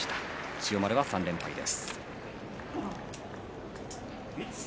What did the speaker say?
千代丸は３連敗です。